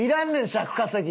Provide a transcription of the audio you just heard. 尺稼ぎ。